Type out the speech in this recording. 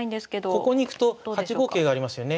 ここに行くと８五桂がありますよね。